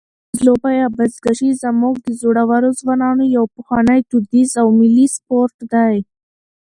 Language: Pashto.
وزلوبه یا بزکشي زموږ د زړورو ځوانانو یو پخوانی، دودیز او ملي سپورټ دی.